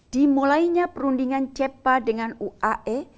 dimulainya perundingan cepa dengan uae